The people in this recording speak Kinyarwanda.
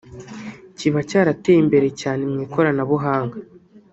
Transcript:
kiba cyarateye imbere cyane mu ikoranabuhanga